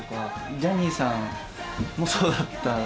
ジャニーさんもそうだった。